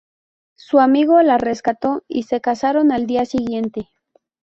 Su amigo la rescató y se casaron al día siguiente.